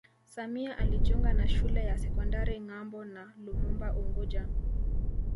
Samia alijiunga na shule ya sekondari Ngambo na Lumumba unguja